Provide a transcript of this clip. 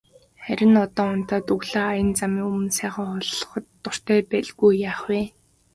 Харин одоо унтаад өглөө аян замын өмнө сайхан хооллоход дуртай байлгүй яах вэ.